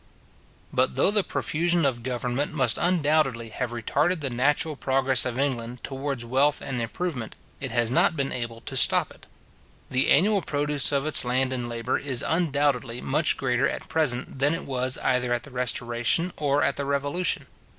But though the profusion of government must undoubtedly have retarded the natural progress of England towards wealth and improvement, it has not been able to stop it. The annual produce of its land and labour is undoubtedly much greater at present than it was either at the Restoration or at the Revolution.